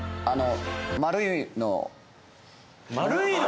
「丸いの」？